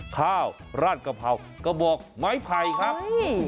ข้าวราดกะเพรากระบอกไม้ไผ่ครับ